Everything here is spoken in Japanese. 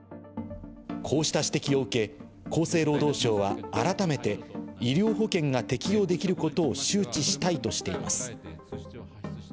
こうした指摘を受け、厚生労働省は改めて医療保険が適用できることを周知したいとしています。